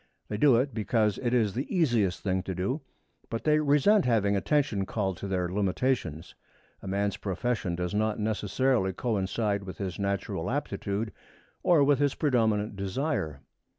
They do it because it is the easiest thing to do, but they resent having attention called to their limitations. A man's profession does not necessarily coincide with his natural aptitude or with his predominant desire.